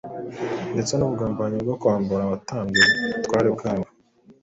ndetse n’ubugambanyi bwo kwambura abatambyi ubutware bwabo.